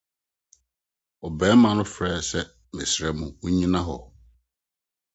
Ɔbarima no frɛe sɛ, Mesrɛ mo, munnyina hɔ!